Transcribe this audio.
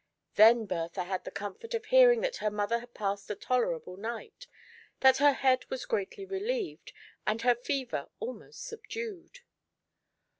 Then Bertha had the comfort of hearing that her mother had passed a tolerable night, that her head was greatly relieved, and her fever almost subdued.